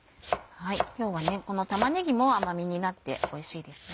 今日はこの玉ねぎも甘みになっておいしいですね。